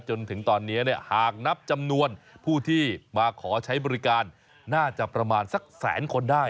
จนถึงตอนนี้หากนับจำนวนผู้ที่มาขอใช้บริการน่าจะประมาณสักแสนคนได้